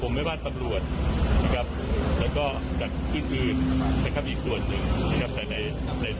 ในส่วนของทบดิ์โภมิลวัลภาพ๕